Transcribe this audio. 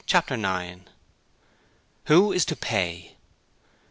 Chapter 9 Who is to Pay?